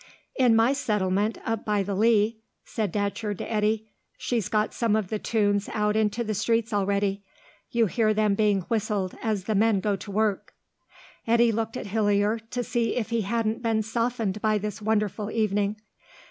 "In my Settlement up by the Lea," said Datcherd to Eddy, "she's got some of the tunes out into the streets already. You hear them being whistled as the men go to work." Eddy looked at Hillier, to see if he hadn't been softened by this wonderful evening.